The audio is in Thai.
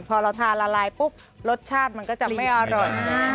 พอเราทานละลายปุ๊บรสชาติมันก็จะไม่อร่อย